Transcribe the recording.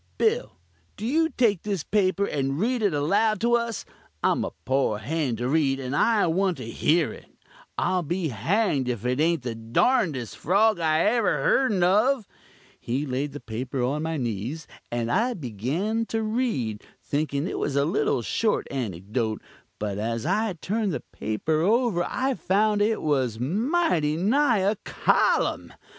Bill, do you take this paper and read it aloud to us. I'm a poor hand to read, and I want to hear it. I'll be hanged if it ain't the darndest frog I ever hearn of." He laid the paper on my knees, and I begun to read, thinkin' it was a little short anticdote, but as I turned the paper over I found it was mighty nigh a column.